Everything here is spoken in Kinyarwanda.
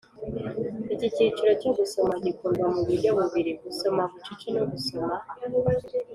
Iki kiciro cyo gusoma gikorwa mu buryo bubiri: gusoma bucece no gusoma